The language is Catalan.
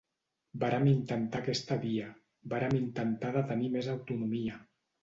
Vàrem intentar aquesta via, vàrem intentar de tenir més autonomia.